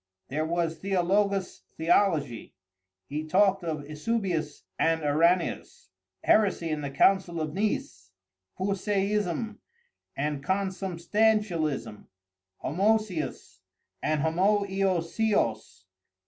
There was Theologos Theology. He talked of Eusebius and Arianus; heresy and the Council of Nice; Puseyism and consubstantialism; Homousios and Homouioisios.